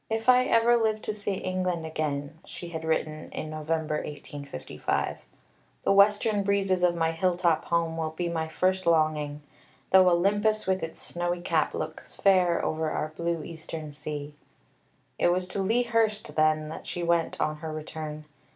IV "If ever I live to see England again," she had written in November 1855, "the western breezes of my hill top home will be my first longing, though Olympus with its snowy cap looks fair over our blue Eastern sea." It was to Lea Hurst, then, that she went on her return.